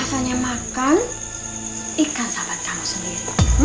rasanya makan ikan sahabat kamu sendiri